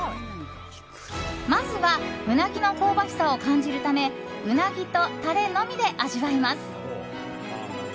まずはウナギの香ばしさを感じるためウナギとタレのみで味わいます。